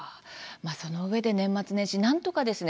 そのうえで年末年始なんとかですね